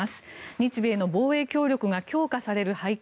日米の防衛協力が強化される背景